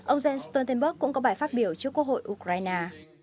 ông jens stoltenberg cũng có bài phát biểu trước quốc hội ukraine